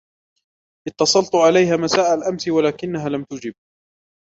إتَصَلتُ عليها مساء الأمس ولكنها لم تُجِب.